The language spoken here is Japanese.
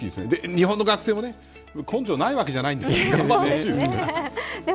日本の学生も根性ないわけじゃないと思うんで。